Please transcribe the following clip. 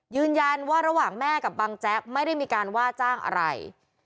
ระหว่างแม่กับบังแจ๊กไม่ได้มีการว่าจ้างอะไร